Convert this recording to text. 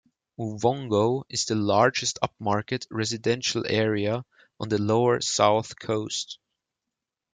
Uvongo is the largest upmarket residential area on the lower South Coast.